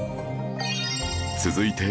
続いて